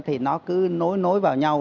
thì nó cứ nối nối vào nhau